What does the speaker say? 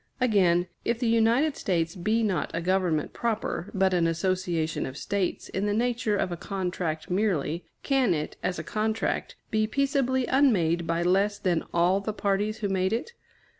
Again, if the United States be not a government proper, but an association of States in the nature of a contract merely, can it, as a contract, be peaceably unmade by less than all the parties who made it?